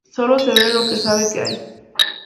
Sólo se ve lo que se sabe que hay.